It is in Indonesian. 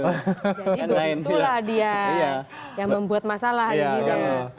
jadi begitu lah dia yang membuat masalah ini